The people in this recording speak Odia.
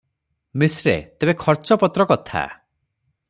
ମିଶ୍ରେ- ତେବେ ଖର୍ଚ୍ଚପତ୍ର କଥା ।